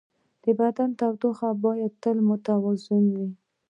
د بدن تودوخه باید تل متوازنه وي.